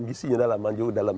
bisa saya jelaskan pak habak